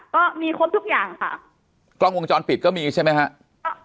ก็มีครบทุกอย่างค่ะกล้องวงจรปิดก็มีใช่ไหมฮะค่ะ